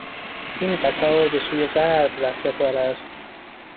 این قطار به سوی غرب رهسپار است.